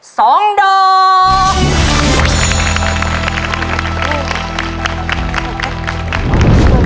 สองดอก